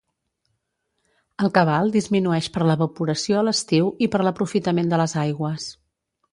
El cabal disminueix per l'evaporació a l'estiu i per l'aprofitament de les aigües.